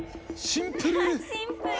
シンプル。